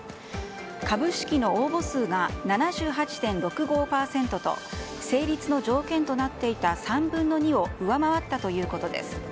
株式の応募数が７８．６５％と成立の条件となっていた３分の２を上回ったということです。